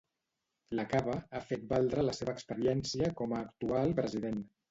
Lacaba ha fet valdre la seva experiència com a actual president.